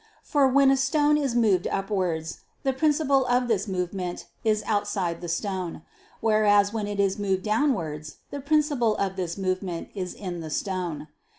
For when a stone is moved upwards, the principle of this movement is outside the stone: whereas when it is moved downwards, the principle of this movement is in the stone.